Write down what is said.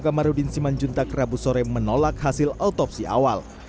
kamarudin simanjuntak rabu sore menolak hasil otopsi awal